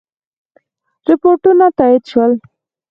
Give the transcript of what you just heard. رپوټونه تایید شول.